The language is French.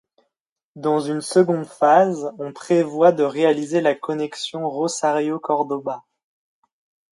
Dans une seconde phase, on prévoit de réaliser la connexion Rosario-Córdoba.